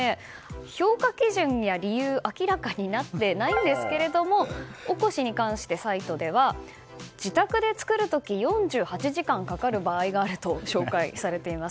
評価基準には、理由が明らかになっていないんですがおこしに関して、サイトでは自宅で作る時４８時間かかる場合があると紹介されています。